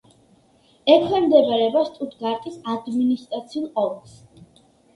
ექვემდებარება შტუტგარტის ადმინისტრაციულ ოლქს.